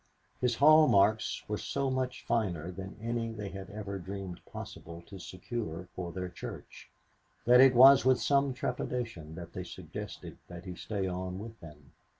His hallmarks were so much finer than any they had ever dreamed possible to secure for their church, that it was with some trepidation that they suggested that he stay on with them.